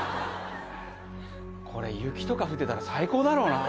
これ雪とか降ってたら最高だろうなぁ。